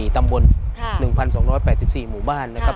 ๔ตำบล๑๒๘๔หมู่บ้านนะครับ